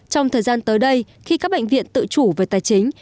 trong thời gian tới đây khi các bệnh viện tự chủ về tài chính